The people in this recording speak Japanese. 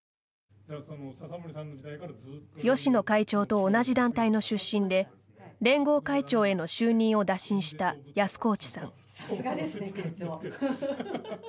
芳野会長と同じ団体の出身で連合会長への就任を打診した安河内さん。